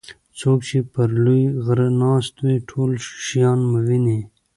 څوک چې پر لوی غره ناست وي ټول شیان ویني.